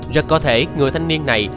rất có thể người thanh niên này